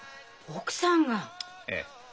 奥さんが？ええ。